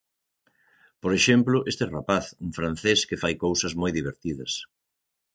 Por exemplo este rapaz, un francés que fai cousas moi divertidas.